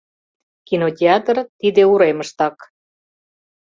Кинотеатр тиде уремыштак.